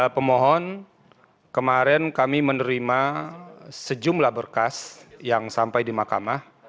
pemohon kemarin kami menerima sejumlah berkas yang sampai di mahkamah